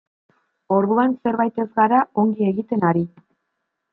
Orduan zerbait ez gara ongi egiten ari.